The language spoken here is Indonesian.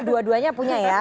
dua duanya punya ya